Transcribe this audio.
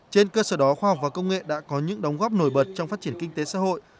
trên cơ sở đó khoa học và công nghệ đã có những đóng góp nổi bật trong phát triển kinh tế xã hội